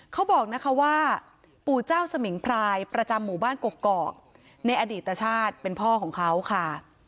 เขาบอกนะคะว่าปู่เจ้าสมิงพรายประจำหมู่บ้านกกอกในอดีตชาติเป็นพ่อของเขาค่ะ